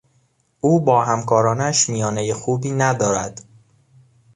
او با همکارانش میانهی خوبی ندارد.